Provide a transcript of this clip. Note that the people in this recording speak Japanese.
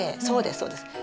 そうですそうです。